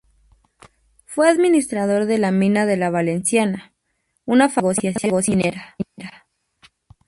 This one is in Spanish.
Fue administrador de la mina de La Valenciana, una famosa negociación minera.